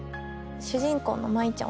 主人公の舞ちゃん